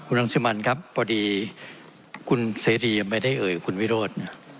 รังสิมันครับพอดีคุณเสรียังไม่ได้เอ่ยคุณวิโรธ